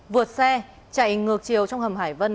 vượt xe chạy ngược chiều trong hầm hải vân